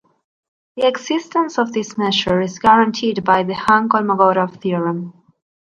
The existence of this measure is guaranteed by the Hahn-Kolmogorov theorem.